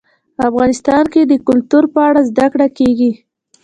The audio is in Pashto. افغانستان کې د کلتور په اړه زده کړه کېږي.